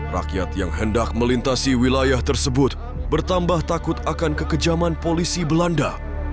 rakyat yang hendak melintasi wilayah tersebut bertambah takut akan kekejaman polisi belanda